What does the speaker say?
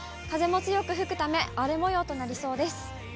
風も強く吹くため、荒れもようとなりそうです。